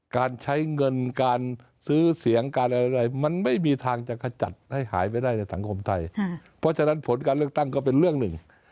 การใช้เงินการซื้อเสียงการอะไรมันไม่มีทางจะขจัดให้หายไปได้ในสังคมไทยเพราะฉะนั้นผลการเลือกตั้งก็เป็นเรื่องหนึ่ง